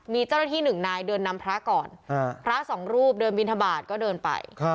มีเจ้าหน้าที่หนึ่งนายเดินนำพระก่อนพระสองรูปเดินบินทบาทก็เดินไป